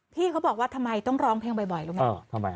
พี่เขาบอกว่าทำไมต้องร้องเพลงบ่อยบ่อยรู้ไหมเออทำไมครับ